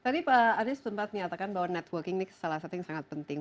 jadi kita sangat menyatakan bahwa networking ini salah satu yang sangat penting